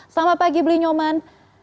selamat pagi blinyoman